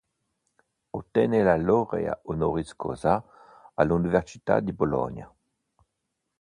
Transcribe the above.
Ottenne la laurea honoris causa all'Università di Bologna.